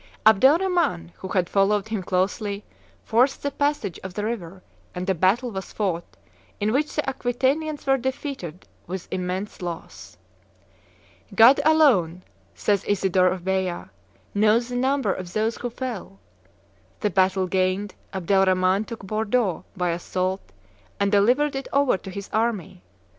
Abdel Rhaman who had followed him closely, forced the passage of the river, and a battle was fought, in which the Aquitanians were defeated with immense loss. "God alone," says Isidore of Beja, "knows the number of those who fell." The battle gained, Abdel Rhaman took Bordeaux by assault and delivered it over to his army.